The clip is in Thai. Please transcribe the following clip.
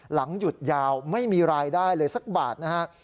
หยุดยาวไม่มีรายได้เลยสักบาทนะฮะ